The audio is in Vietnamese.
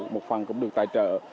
một phần cũng được tài trợ